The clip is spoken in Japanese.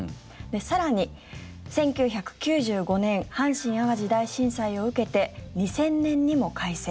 更に、１９９５年阪神・淡路大震災を受けて２０００年にも改正。